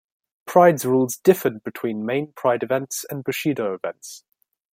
Pride's rules differed between main Pride events and Bushido events.